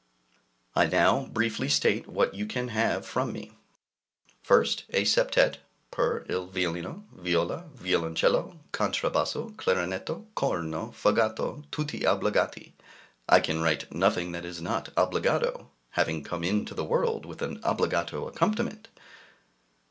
I now briefly state what you can have from me. 1st. A Septet, per il violino, viola, violoncello, contra basso, clarinetto, corno, fagotto; tutti obbligati (I can write nothing that is not obbligato, having come into the world with an obbligato accompaniment!)